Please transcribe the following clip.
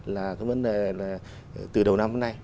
là cái vấn đề là từ đầu năm nay